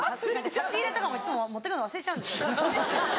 差し入れとかもいっつも持ってくの忘れちゃうんです。